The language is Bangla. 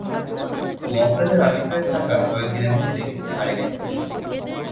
মগ রাজার আশ্রয়ে থাকার কয়েকদিনের মধ্যেই আরেক সমস্যা।